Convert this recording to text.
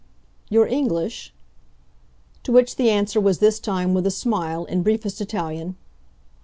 "You're English?" To which the answer was this time, with a smile, in briefest Italian.